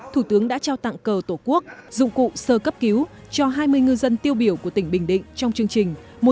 thủ tướng đã trao tặng cờ tổ quốc dụng cụ sơ cấp cứu cho hai mươi ngư dân tiêu biểu của tỉnh bình định trong chương trình